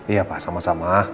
iya pak sama sama